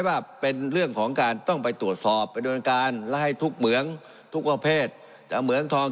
ว่าเป็นเรื่องของการต้องไปตรวจสอบไปโดนการและให้ทุกเหมืองทุกประเภทจะเหมืองทอง